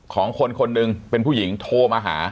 ของคนคนหนึ่งเป็นผู้หญิงโทรมาหา